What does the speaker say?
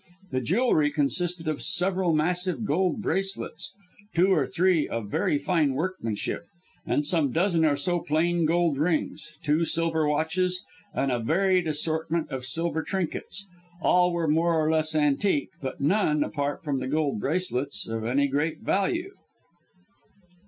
The jewellery consisted of several massive gold bracelets, (two or three of very fine workmanship); some dozen or so plain gold rings; two silver watches, and a varied assortment of silver trinkets. All were more or less antique, but none apart from the gold bracelets of any great value.